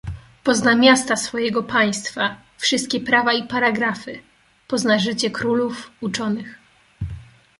"Pozna miasta swojego państwa, wszystkie prawa i paragrafy, pozna życie królów, uczonych."